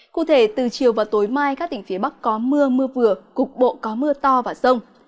cụ thể từ chiều và tối mai các tỉnh phía bắc có mưa mưa vừa cục bộ có mưa to và rông